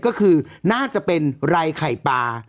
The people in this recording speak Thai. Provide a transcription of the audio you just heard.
ก็คือน่าจะเป็นไรไข่ปลา